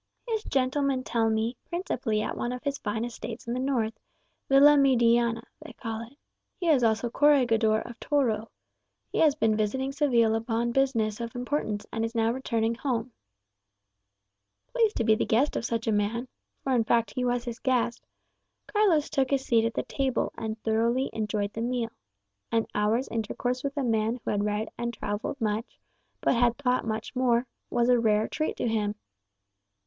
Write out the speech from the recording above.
"His gentlemen tell me, principally at one of his fine estates in the north, Villamediana they call it. He is also corregidor[#] of Toro. He has been visiting Seville upon business of importance, and is now returning home." [#] Mayor Pleased to be the guest of such a man (for in fact he was his guest), Carlos took his seat at the table, and thoroughly enjoyed the meal. An hour's intercourse with a man who had read and travelled much, but had thought much more, was a rare treat to him.